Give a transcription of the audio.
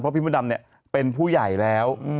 เพราะพี่มดดำเนี่ยเป็นผู้ใหญ่แล้ว